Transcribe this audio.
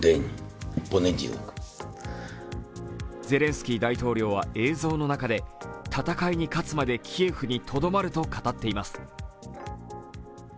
ゼレンスキー大統領は映像の中で戦いに勝つまでキエフにとどまると語っています。